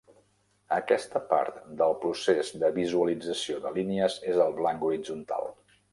Aquesta part del procés de visualització de línies és el blanc horitzontal.